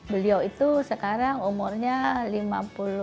beliau itu sekarang umurnya lima puluh tahun